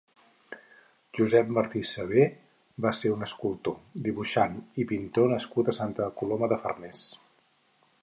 Josep Martí Sabé va ser un escultor, dibuixant i pintor nascut a Santa Coloma de Farners.